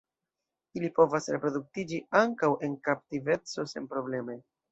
Ili povas reproduktiĝi ankaŭ en kaptiveco senprobleme.